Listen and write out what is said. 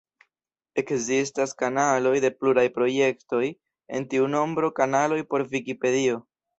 Ekzistas kanaloj de pluraj projektoj, en tiu nombro kanaloj por Vikipedio.